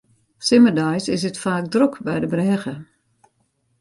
Simmerdeis is it faak drok by de brêge.